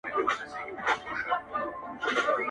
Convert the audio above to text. خــو ســــمـدم,